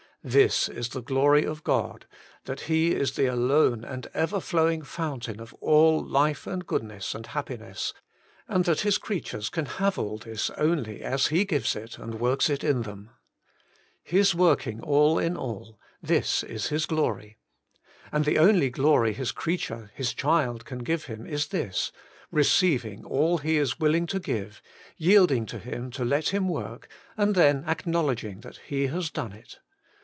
This is the glory of God, that He is the alone and ever flowing fountain of all life and goodness and happiness, and that His crea tures can have all this only as He gives it and works it in them. His working all in all, this is His glory. And the only glory His creature, His child, can give Him is this — receiving all He is willing to give, yielding to Him to let Him work, and then acknowledging that He has done it.